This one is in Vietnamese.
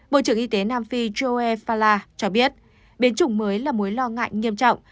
bộ trưởng y tế nam phi joe fala cho biết biến chủng mới là mối lo ngại nghiêm trọng